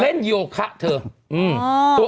เล่นโยคะเถอะ